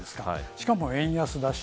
しかも円安だし。